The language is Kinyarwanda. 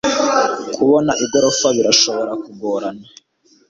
Kubona igorofa birashobora kugorana.